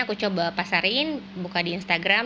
aku coba pasarin buka di instagram